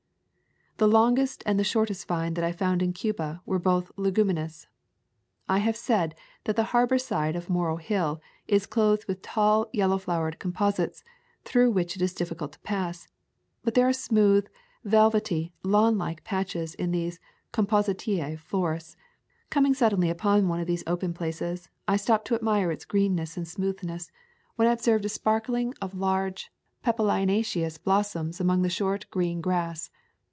The longest and the shortest vine that I found in Cuba were both leguminous. I have said that the harbor side of the Morro Hill is clothed with tall yellow flowered composites through which it is difficult to pass. But there are smooth, velvety, lawnlike patches in these Composite forests. Coming suddenly upon one of these open places, I stopped to admire its greenness and smoothness, when I observed a [ 158 ] A Sojourn in Cuba sprinkling of large papilionaceous blossoms among the short green grass.